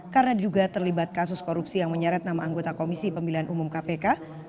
karena diduga terlibat kasus korupsi yang menyeret nama anggota komisi pemilihan umum kpk